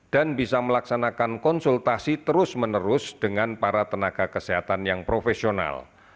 dan bisa melaksanakan konsultasi terus menerus dengan para tenaga kesehatan yang profesional